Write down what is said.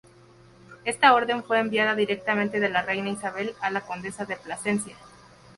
Ésta orden fue enviada directamente de la reina Isabel a la condesa de Plasencia.